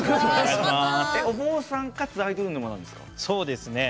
お坊さんかつアイドル沼なんですか？